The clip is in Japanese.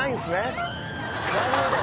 なるほど。